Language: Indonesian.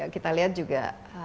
kita lihat juga